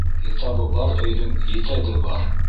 Китабы бар өйҙөң етәге бар.